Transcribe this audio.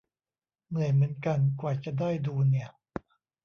เหนื่อยเหมือนกัน กว่าจะได้ดูเนี่ย